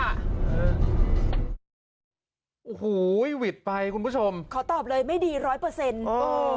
โอ้โหหวิดไปคุณผู้ชมขอตอบเลยไม่ดีร้อยเปอร์เซ็นต์เออ